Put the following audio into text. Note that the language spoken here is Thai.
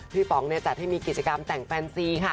ป๋องจัดให้มีกิจกรรมแต่งแฟนซีค่ะ